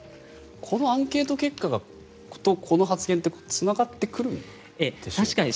このアンケート結果とこの発言ってつながってくるんですかね。